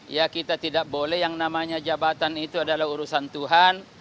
ya kita tidak boleh yang namanya jabatan itu adalah urusan tuhan